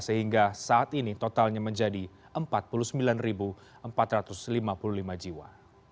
sehingga saat ini totalnya menjadi empat puluh sembilan empat ratus lima puluh lima jiwa